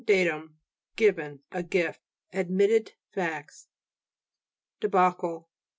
datum, given, a gift. Admitted facts. DEBACLE Fr.